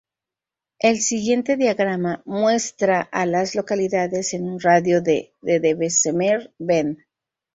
El siguiente diagrama muestra a las localidades en un radio de de Bessemer Bend.